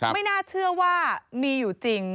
ไม่น่าเชื่อว่ามีอยู่จริง